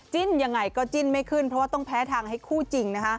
จิ้นอย่างไรก็จิ้นไม่ขึ้นเพราะว่าต้องแพ้ทางให้คู่จริง